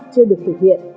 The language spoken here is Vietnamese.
chưa được thực hiện